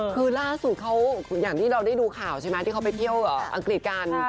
คือล่าสุดเขาอย่างที่เราได้ดูข่าวใช่ไหมที่เขาไปเที่ยวอังกฤษกัน